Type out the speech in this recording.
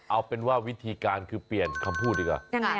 เอาเป็นว่าวิธีการคือเปลี่ยนคำพูดดีกว่ายังไง